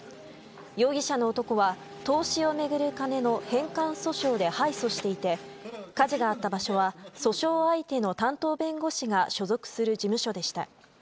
容疑者の男は投資を巡る金の返還訴訟で敗訴していて火事があった場所は訴訟相手の担当弁護士が所属する事務所でした。